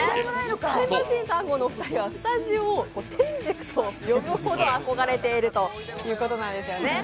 タイムマシーン３号のお二人はスタジオを天じくと呼ぶほど憧れているということなんですよね。